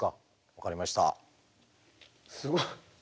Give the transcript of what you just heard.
分かりました。